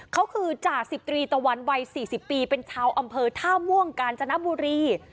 เขาคือจ่าสิบตรีตะวันวัย๔๐ปีเป็นชาวอำเภอท่าม่วงกาญจนบุรี